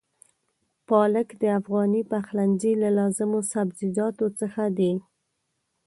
پالک د افغاني پخلنځي له لازمو سبزيجاتو څخه دی.